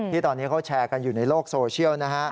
ที่ตอนนี้เขาแชร์กันอยู่ในโลกโซเชียลนะฮะ